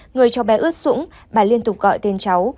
người cho bé ướt sũng bà liên tục gọi tên cháu